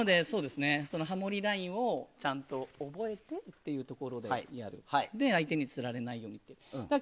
ハモリラインをちゃんと覚えてというところで相手につられないようにというところ。